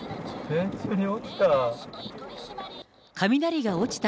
電柱に落ちた。